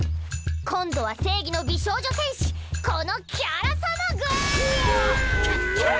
今度は正義の美少女戦士このキャラ様がぁ！